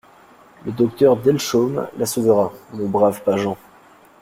«Le docteur Delchaume la sauvera, mon brave Pageant.